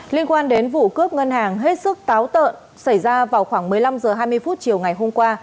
liên quan đến vụ cướp ngân hàng hết sức táo tợn xảy ra vào khoảng một mươi năm h hai mươi chiều ngày hôm qua